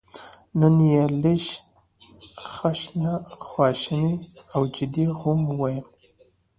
نن یې لږه خشنه او جدي هم وایم.